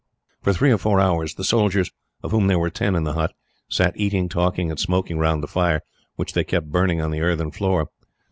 For three or four hours, the soldiers, of whom there were ten in the hut, sat eating, talking, and smoking round the fire, which they kept burning on the earthen floor.